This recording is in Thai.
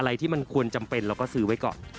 ที่มันควรจำเป็นเราก็ซื้อไว้ก่อน